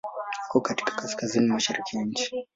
Iko katika kaskazini-mashariki ya nchi.